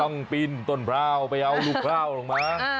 ต้องพีนต้นพร้าวไปเอาลูกพร้าวลงมา